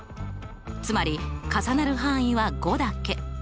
つまり重なる範囲は５だけ。